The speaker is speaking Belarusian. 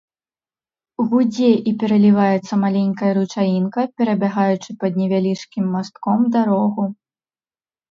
Гудзе і пераліваецца маленькая ручаінка, перабягаючы пад невялічкім мастком дарогу.